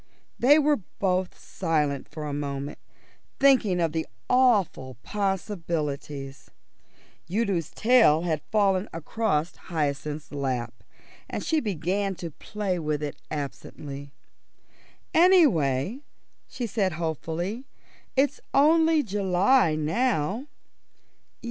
They were both silent for a moment, thinking of the awful possibilities. Udo's tail had fallen across Hyacinth's lap, and she began to play with it absently. "Anyway," she said hopefully, "it's only July now."